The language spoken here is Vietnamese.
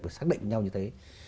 với xác định nhau như thế